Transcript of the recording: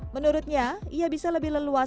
menurutnya ia bisa lebih leluasa melapor karena